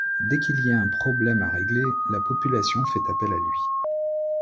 Dès qu'il y a un problème à régler, la population fait appel à lui.